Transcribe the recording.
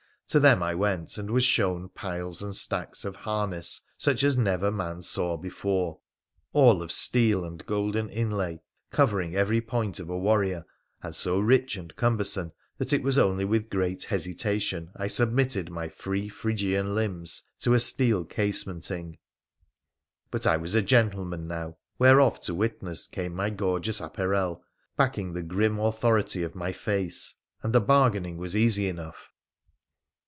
To them I went, and was shown piles and stacks of harness such as never man saw before, all o: steel and golden inlay, covering every point of a warrior, anc so rich and cumbersome that it was only with great hesitatior I submitted my free Phrygian hmbs to such a steel case menting. But I was a gentleman now, whereof to witness came my gorgeous apparel, backing the grim authority of mj face, and the bargaining was easy enough.